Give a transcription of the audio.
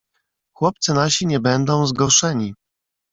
"Chłopcy nasi nie będą zgorszeni."